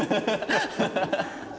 ハハハハ！